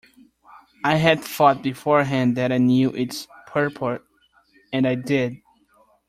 I had thought beforehand that I knew its purport, and I did.